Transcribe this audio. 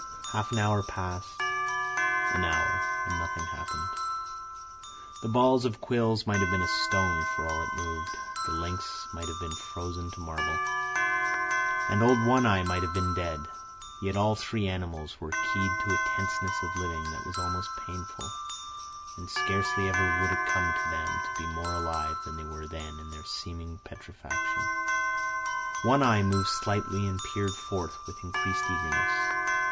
Half an hour passed, an hour; and nothing happened. The ball of quills might have been a stone for all it moved; the lynx might have been frozen to marble; and old One Eye might have been dead. Yet all three animals were keyed to a tenseness of living that was almost painful, and scarcely ever would it come to them to be more alive than they were then in their seeming petrifaction. One Eye moved slightly and peered forth with increased eagerness.